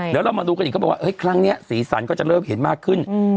แล้วเรามาดูกันอีกเขาบอกว่าครั้งนี้สีสันก็จะเริ่มเห็นมากขึ้น